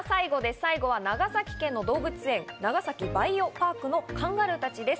最後は長崎県の動物園、長崎バイオパークのカンガルーたちです。